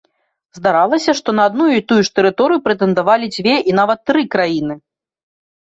Здаралася, што на адну і тую ж тэрыторыю прэтэндавалі дзве і нават тры краіны.